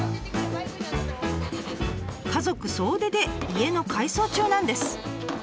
家族総出で家の改装中なんです。